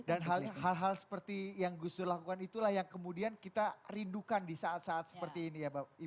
dan hal hal seperti yang gus dur lakukan itulah yang kemudian kita rindukan di saat saat seperti ini